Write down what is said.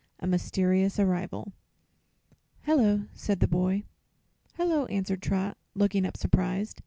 "Hello," said the boy. "Hello," answered Trot, looking up surprised.